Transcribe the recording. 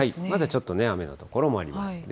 まだちょっと雨の所もあります。